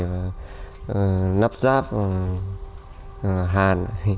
và nắp giáp hàn